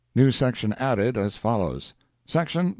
New section added, as follows: "SECTION—.